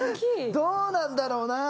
どうなんだろうな。